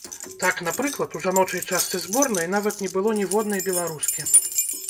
Так, напрыклад, у жаночай частцы зборнай нават не было ніводнай беларускі.